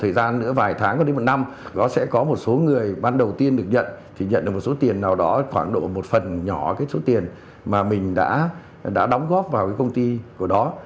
thời gian nữa vài tháng có đến một năm đó sẽ có một số người bán đầu tiên được nhận thì nhận được một số tiền nào đó khoảng độ một phần nhỏ cái số tiền mà mình đã đóng góp vào cái công ty của đó